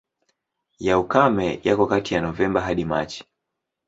Ya ukame yako kati ya Novemba hadi Machi.